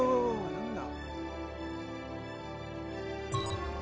何だ？